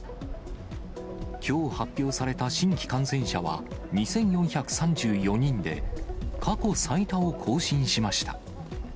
きょう発表された新規感染者は２４３４人で、過去最多を更新しました。